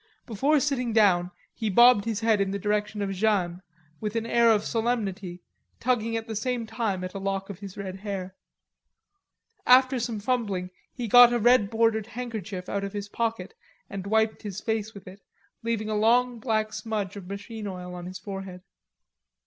Before sitting down he bobbed his head in the direction of Jeanne with an air of solemnity tugging at the same time at a lock of his red hair. After some fumbling he got a red bordered handkerchief out of his pocket and wiped his face with it, leaving a long black smudge of machine oil on his forehead.